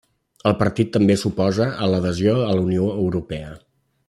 El partit també s'oposa a l'adhesió a la Unió Europea.